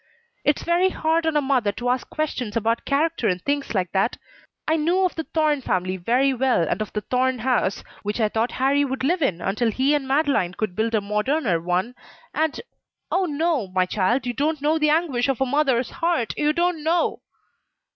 "It's very hard on a mother to ask questions about character and things like that. I knew of the Thorne family very well, and of the Thorne house, which I thought Harrie would live in until he and Madeleine could build a moderner one, and Oh no, my child, you don't know the anguish of a mother's heart! You don't know!"